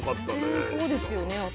全然そうですよね。